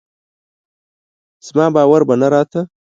زما باور به نه راته